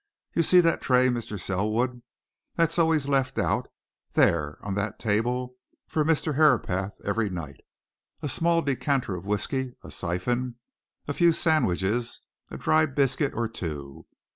"You see that tray, Mr. Selwood? That's always left out, there, on that table, for Mr. Herapath every night. A small decanter of whiskey, a syphon, a few sandwiches, a dry biscuit or two.